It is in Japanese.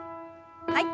はい。